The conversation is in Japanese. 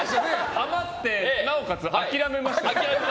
余ってなおかつ諦めましたよね。